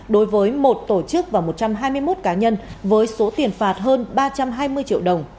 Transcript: đối với một tổ chức và một trăm hai mươi một cá nhân với số tiền phạt hơn ba trăm hai mươi triệu đồng